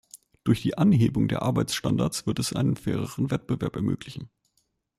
Durch die Anhebung der Arbeitsstandards wird es einen faireren Wettbewerb ermöglichen.